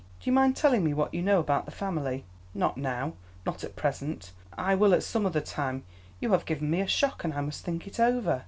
Do you mind telling me what you know about the family?" "Not now; not at present. I will at some other time. You have given me a shock, and I must think it over."